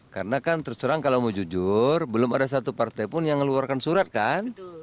karena kan terus terang kalau mau jujur belum ada satu partai pun yang ngeluarkan surat kan